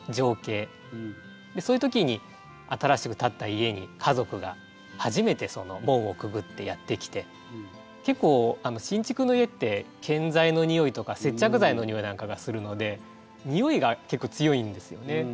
そういう時に新しく建った家に家族が初めて門をくぐってやって来て結構新築の家って建材のにおいとか接着剤のにおいなんかがするのでにおいが結構強いんですよね。